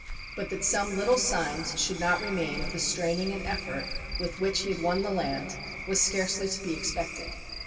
But that some little signs should not remain of the straining and effort with which he had won the land, was scarcely to be expected.